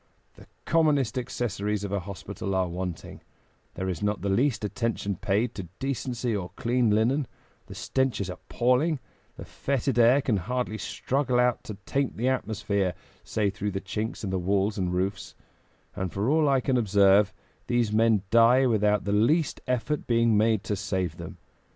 "The commonest accessories of a hospital are wanting; there is not the least attention paid to decency or clean linen; the stench is appalling; the fetid air can hardly struggle out to taint the atmosphere, save through the chinks in the walls and roofs; and for all I can observe, these men die without the least effort being made to save them.